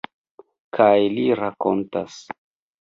Kaj li rakontas.